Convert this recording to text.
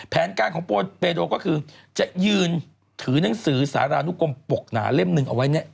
แผนการของเปโดก็คือจะยืนถือหนังสือสารานุกรมปกหนาเล่มหนึ่งเอาไว้เนี่ย